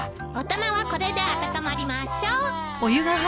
大人はこれで温まりましょう。